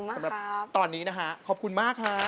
สำหรับตอนนี้นะฮะขอบคุณมากครับ